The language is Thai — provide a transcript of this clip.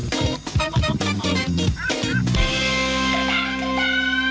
สวัสดีค่ะ